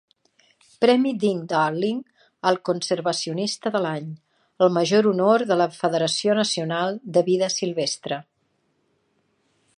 Premi Ding Darling al conservacionista de l'any, el major honor de la Federació Nacional de Vida Silvestre.